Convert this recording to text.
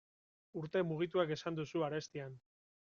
Urte mugituak esan duzu arestian.